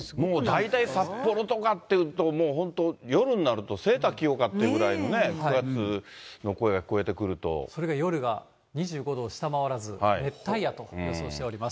大体札幌とかっていうと、もう本当、夜になるとセーター着ようかっていうぐらいの、それが、夜が２５度を下回らず、熱帯夜と予想しております。